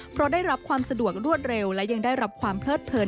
เพราะได้รับความสะดวกรวดเร็วและยังได้รับความเลิดเพลิน